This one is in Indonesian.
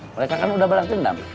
mereka kan udah berantem dam